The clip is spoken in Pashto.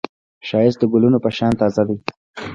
ښایست د ګلونو په شان تازه دی